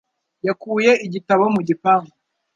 Yakuye igitabo mu gipangu.